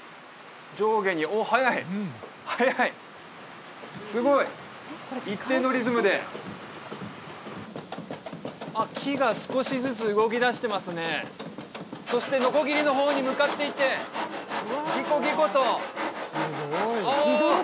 上下におお速い速いすごい一定のリズムで木が少しずつ動きだしてますねそしてのこぎりの方に向かっていってギコギコとお！